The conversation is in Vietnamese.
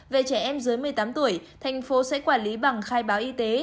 về trẻ em dưới một mươi tám tuổi thành phố sẽ quản lý bằng khai báo y tế